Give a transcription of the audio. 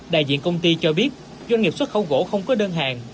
đại diện công ty cho biết doanh nghiệp xuất khẩu gỗ không có đơn hàng